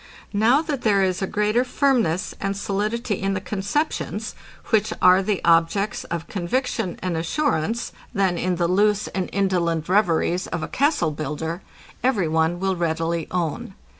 Now that there is a greater firmness and solidity in the conceptions, which are the objects of conviction and assurance, than in the loose and indolent reveries of a castle builder, every one will readily own.